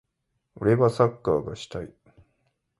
俺はサッカーがしたい。